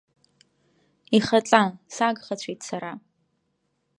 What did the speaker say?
Ихаҵа, сагхацәеит сара!